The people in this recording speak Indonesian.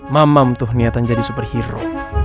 mamam tuh niatan jadi superhero